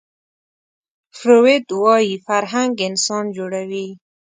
فروید وايي فرهنګ انسان جوړوي